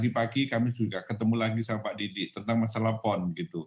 pagi kami juga ketemu lagi sama pak didi tentang masalah pon